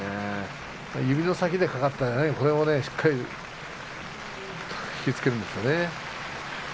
指の先でかかったそこをしっかり引き付けるんですね。